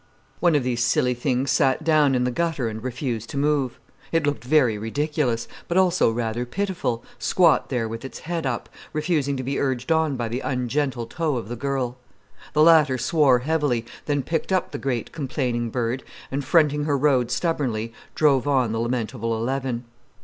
One of the silly things sat down in the gutter and refused to move. It looked very ridiculous, but also rather pitiful, squat there with its head up, refusing to be urged on by the ungentle toe of the girl. The latter swore heavily, then picked up the great complaining bird, and fronting her road stubbornly, drove on the lamentable eleven.